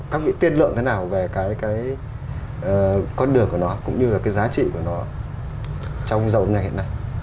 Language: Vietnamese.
các vị tiên lượng thế nào về cái con đường của nó cũng như là cái giá trị của nó trong dòng nhà hiện nay